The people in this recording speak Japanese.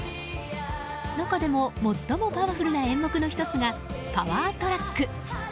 中でも最もパワフルな演目の１つがパワートラック。